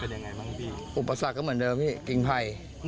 ดรดันดี้อุปสรรคก็เหมือนเดิมพี่กริงภัย